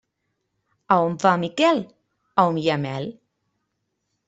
A on va Miquel? A on hi ha mel.